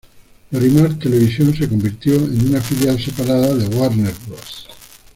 Lorimar Television se convirtió en una filial separada de Warner Bros.